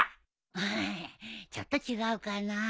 うんちょっと違うかな。